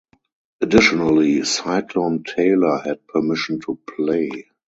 Additionally, Cyclone Tayler had permission to play.